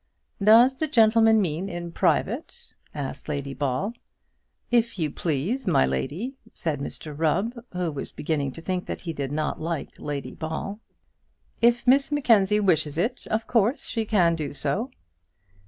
"Does the gentleman mean in private?" asked Lady Ball. "If you please, my lady," said Mr Rubb, who was beginning to think that he did not like Lady Ball. "If Miss Mackenzie wishes it, of course she can do so."